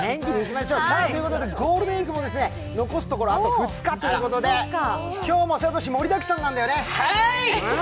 ゴールデンウイークも残すところあと２日ということで、今日も慧、盛りだくさんなんだよねはーい！